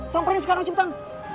sampernya sekarang cemtang